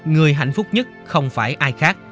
người hạnh phúc nhất không phải ai khác